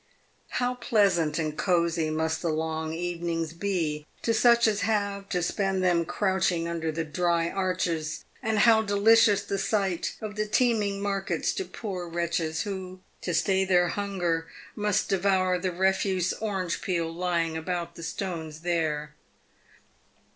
How pleasant and cosy must the long evenings be to such as have to spend them crouching under the dry arches ; and how delicious the sight of the teeming markets to poor wretches who, to stay their hunger, must devour the refuse orange peel lying about the stones there.